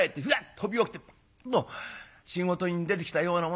飛び起きてパッと仕事に出てきたようなもんでね。